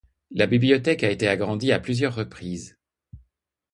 La bibliothèque a été agrandie à plusieurs reprises.